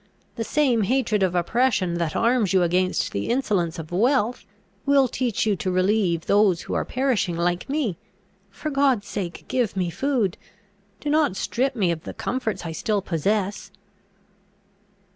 The same hatred of oppression, that arms you against the insolence of wealth, will teach you to relieve those who are perishing like me. For God's sake, give me food! do not strip me of the comforts I still possess!"